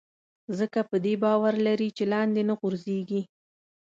ځکه په دې باور لري چې لاندې نه غورځېږي.